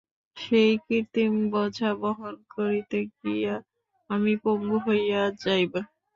সেই কৃত্রিম বোঝা বহন করিতে গিয়া আমি পঙ্গু হইয়া যাইব।